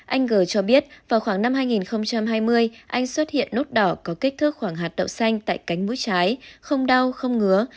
anh g cho biết vào khoảng năm hai nghìn hai mươi anh xuất hiện nốt đỏ có kích thước khoảng hạt đậu xanh tại cánh mũi trái không đau không ngứa